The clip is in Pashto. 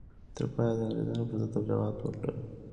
تر پایه یې د انګرېزانو پر ضد تبلیغات وکړل.